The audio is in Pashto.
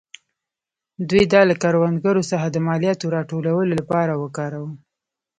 دوی دا له کروندګرو څخه د مالیاتو راټولولو لپاره وکاراوه.